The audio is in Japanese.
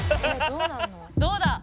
「どうだ？」